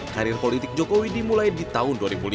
karir politik jokowi dimulai di tahun dua ribu lima